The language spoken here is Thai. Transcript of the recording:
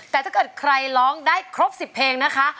แต่ถ้าเกิดใครร้องได้ครบ๑๐เพลงนะคะ